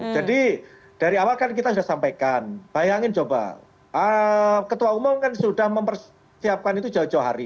jadi dari awal kan kita sudah sampaikan bayangin coba ketua umum kan sudah mempersiapkan itu jauh jauh hari